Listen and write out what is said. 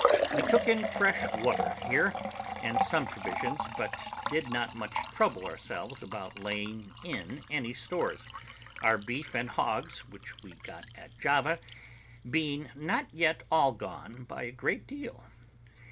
We took in fresh water here, and some provisions, but did not much trouble ourselves about laying in any stores, our beef and hogs, which we got at Java, being not yet all gone by a good deal.